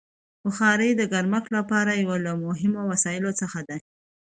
بخاري د ګرمښت لپاره یو له مهمو وسایلو څخه ده.